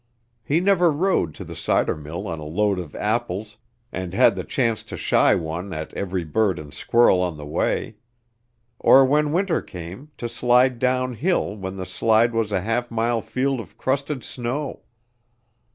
He never rode to the cider mill on a load of apples and had the chance to shy one at every bird and squirrel on the way; or when winter came, to slide down hill when the slide was a half mile field of crusted snow!